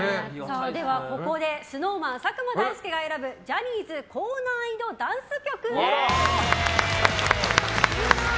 ではここで、ＳｎｏｗＭａｎ佐久間大介が選ぶジャニーズ高難易度ダンス曲！